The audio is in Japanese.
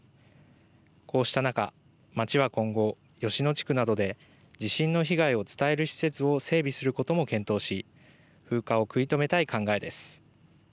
こうした中、町は今後吉野地区などで地震の被害を伝える施設を整備することも検討し風化を食い止めたい考えです。